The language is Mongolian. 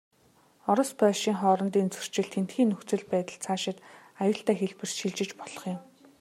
Орос, Польшийн хоорондын зөрчил, тэндхийн нөхцөл байдал, цаашид аюултай хэлбэрт шилжиж болох юм.